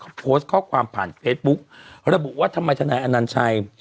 เขาโพสต์ข้อความผ่านเฟซบุ๊กระบุว่าทำไมทนายอนัญชัย